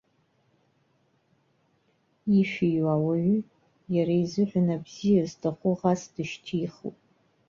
Ишәиу ауаҩы, иара изыҳәан абзиа зҭаху ӷас дышьҭихуеит.